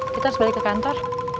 kita harus balik ke kantor